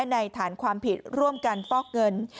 ในฐานความผิดร่วมกันฟอกเงิน